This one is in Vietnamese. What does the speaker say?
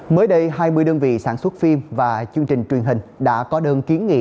mới đây hai mươi đơn vị sản xuất phim và chương trình truyền hình đã có đơn kiến nghị